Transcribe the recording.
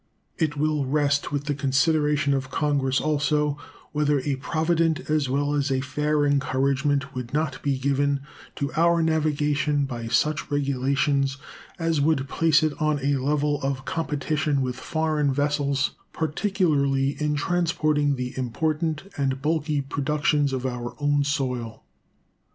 It will rest with the consideration of Congress also whether a provident as well as fair encouragement would not be given to our navigation by such regulations as would place it on a level of competition with foreign vessels, particularly in transporting the important and bulky productions of our own soil.